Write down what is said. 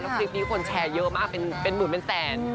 แล้วคลิปนี้แชร์เยอะมากเป็นหมื่นแสน